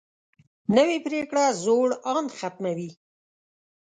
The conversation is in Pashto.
نوې پریکړه زوړ اند ختموي